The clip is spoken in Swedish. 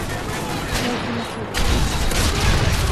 Varför naturligtvis?